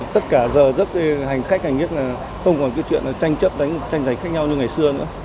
tất cả giờ rất hành khách hành nghiệp không còn chuyện tranh chấp tranh giành khách nhau như ngày xưa nữa